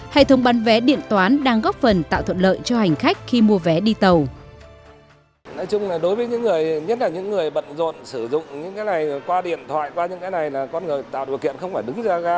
hệ thống bán vé điện toán đang góp phần tạo thuận lợi cho hành khách khi mua vé đi tàu